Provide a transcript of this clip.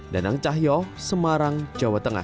danang cahyo semarang jawa tengah